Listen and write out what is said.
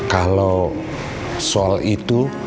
kalau soal itu